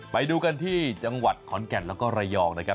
ไปดูกันที่จังหวัดขอนแก่นแล้วก็ระยองนะครับ